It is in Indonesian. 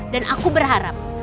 dan aku berharap